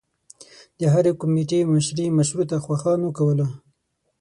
د هرې کومیټي مشري مشروطه خواهانو کوله.